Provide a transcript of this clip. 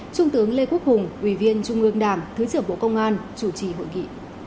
trung tướng lê quốc hùng ủy viên trung ương đảng thứ trưởng bộ công an chủ trì hội nghị